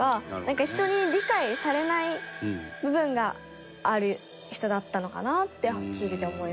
人に理解されない部分がある人だったのかなって聞いてて思いましたね。